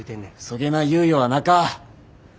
そげな猶予はなか。